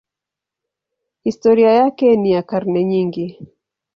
Historia yake ni ya karne nyingi.